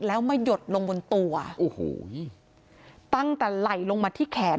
แล้วมาหยดลงบนตัวโอ้โหตั้งแต่ไหล่ลงมาที่แขน